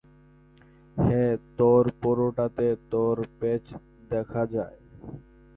হ্যাঁঁ, তোর পরোটাতে তোর প্যাচ দেখা যায়।